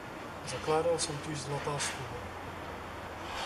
Zakládal soutěž Zlatá stuha.